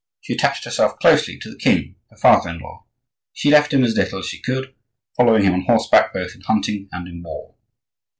She attached herself closely to the king, her father in law; she left him as little as she could, following him on horseback both in hunting and in war.